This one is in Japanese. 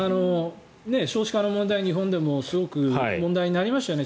少子化の問題、日本でもすごく問題になりましたよね